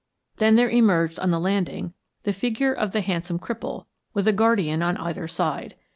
Then there emerged on the landing the figure of the handsome cripple with a guardian on either side.